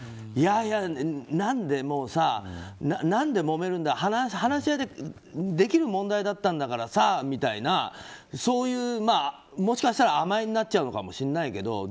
いやいや、何でもめるんだ話し合いでできる問題だったんだからみたいなそういう、もしかしたら甘えになっちゃうのかもしれないけど。